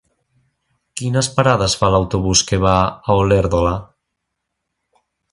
Quines parades fa l'autobús que va a Olèrdola?